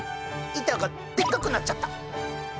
板がでっかくなっちゃった！